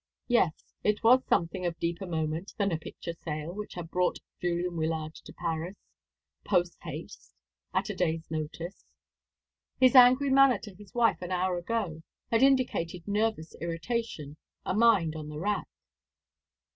Yes, it was something of deeper moment than a picture sale which had brought Julian Wyllard to Paris, posthaste, at a day's notice. His angry manner to his wife an hour ago had indicated nervous irritation, a mind on the rack.